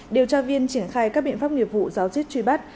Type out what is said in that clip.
điều tra viên triển khai các biện pháp nghiệp vụ giáo diết truy bắt